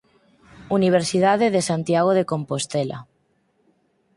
Universidade de Santiago de Compostela